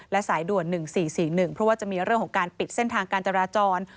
และสายด่วน๑๔๔๑เพราะว่าจะมีเรื่องของการปิดเส้นทางการจราจร